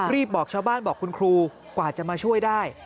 บอกชาวบ้านบอกคุณครูกว่าจะมาช่วยได้